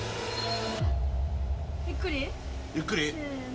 ゆっくり。